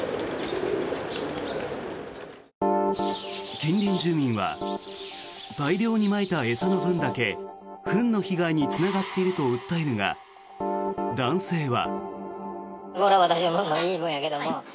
近隣住民は大量にまいた餌の分だけフンの被害につながっていると訴えるが男性は。